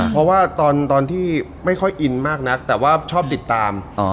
เพราะว่าตอนที่ไม่ค่อยอินมากนักแต่ว่าชอบติดตาม